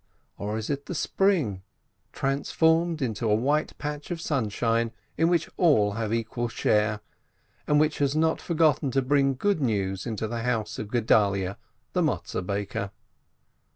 Or is it the Spring, transformed into a white patch of sunshine, in which all have equal share, and which has not forgotten to bring good news into the house of Gedalyeh the Matzeh baker